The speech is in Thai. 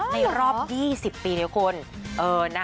ในรอบ๒๐ปีเลยคุณ